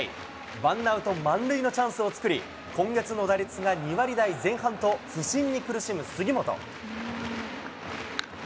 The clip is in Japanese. ワンアウト満塁のチャンスを作り、今月の打率が２割台前半と、不振に苦しむ杉本。